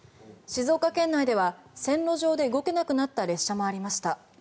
静岡県内では線路上で動けなくなった列車もありました。